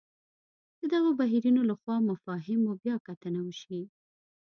د دغو بهیرونو له خوا مفاهیمو بیا کتنه وشي.